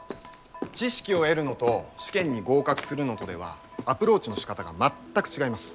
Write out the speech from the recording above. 知識を得るのと試験に合格するのとではアプローチのしかたが全く違います。